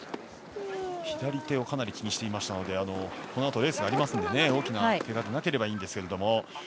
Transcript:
左手をかなり気にしていましたのでこのあと、レースがありますので大きなけがでなければいいですが。